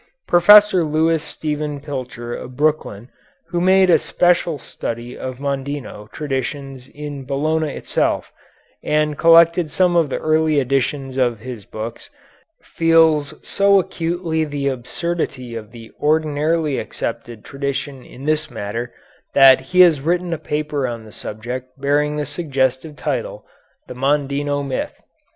Professor Lewis Stephen Pilcher of Brooklyn, who made a special study of Mondino traditions in Bologna itself, and collected some of the early editions of his books, feels so acutely the absurdity of the ordinarily accepted tradition in this matter, that he has written a paper on the subject bearing the suggestive title, "The Mondino Myth."